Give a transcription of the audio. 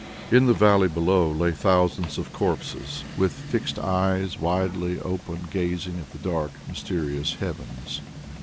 In the valley below lay thousands of corpses with fixed eyes widely open gazing at the dark mysterious heavens.